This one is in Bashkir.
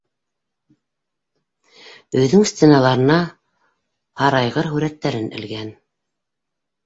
Өйҙөң стеналарына һарайғыр һүрәттәрен элгән.